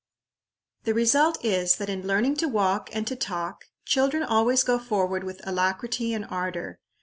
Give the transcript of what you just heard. The result is, that in learning to walk and to talk, children always go forward with alacrity and ardor.